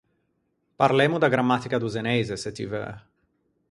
Parlemmo da grammatica do zeneise se ti veu.